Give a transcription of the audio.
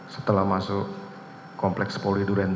setelah masuk kompleks polri duren tiga